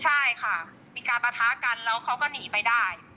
ใช่ค่ะมีการปะทะกันแล้วเขาก็หนีไปได้